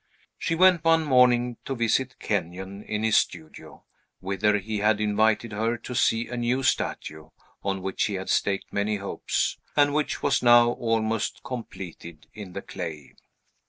She went one morning to visit Kenyon in his studio, whither he had invited her to see a new statue, on which he had staked many hopes, and which was now almost completed in the clay.